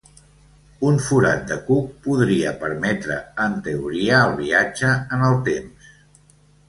Un forat de cuc podria permetre en teoria el viatge en el temps.